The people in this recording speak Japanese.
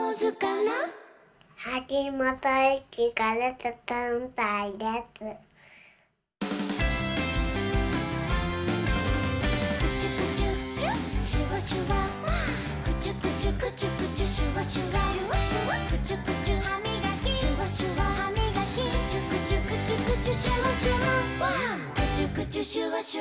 「ファンファンファン」「クチュクチュシュワシュワ」「クチュクチュクチュクチュシュワシュワ」「クチュクチュハミガキシュワシュワハミガキ」「クチュクチュクチュクチュシュワシュワ」「クチュクチュシュワシュワシュワシュワクチュクチュ」